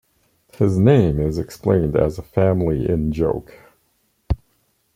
His name is explained as a family in-joke.